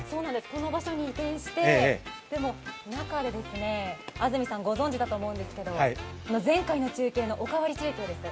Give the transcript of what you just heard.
この場所に移転して、中で安住さん御存知だと思うんですけど、前回の中継の「おかわり中継」です。